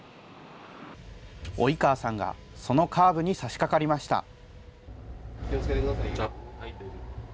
及川さんが、そのカーブにさしかかりました。